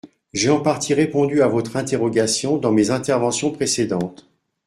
J’ai en partie répondu à votre interrogation dans mes interventions précédentes.